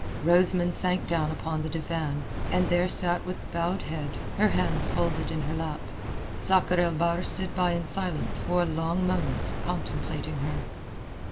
Rosamund sank down upon the divan, and sat there with bowed head, her hands folded in her lap. Sakr el Bahr stood by in silence for a long moment contemplating her.